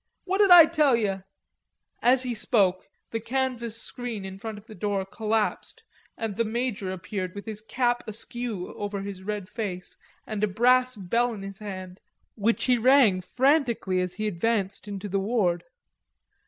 What did I tell yer?" As he spoke the canvas screen in front of the door collapsed and the major appeared with his cap askew over his red face and a brass bell in his hand, which he rang frantically as he advanced into the ward.